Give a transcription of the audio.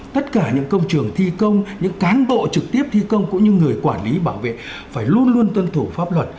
tất cả những công trường thi công những cán bộ trực tiếp thi công cũng như người quản lý bảo vệ phải luôn luôn tuân thủ pháp luật